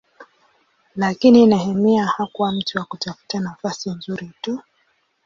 Lakini Nehemia hakuwa mtu wa kutafuta nafasi nzuri tu.